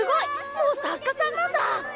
もう作家さんなんだ！